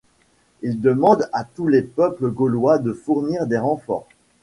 Il demande à tous les peuples gaulois de fournir des renforts.